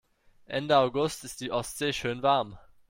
Ende August ist die Ostsee schön warm.